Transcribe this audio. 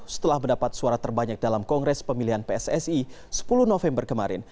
setelah mendapat suara terbanyak dalam kongres pemilihan pssi sepuluh november kemarin